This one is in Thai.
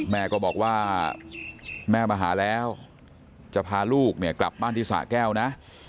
แม่ก็บอกว่าแม่มาหาแล้วจะพาลูกเนี่ยกลับบ้านที่สะแก้วนะ